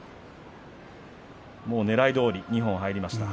ねらいどおり二本入りました。